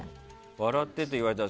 笑ってと言われたら。